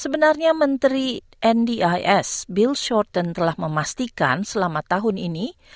sebenarnya menteri ndis bill shorten telah memastikan selama tahun ini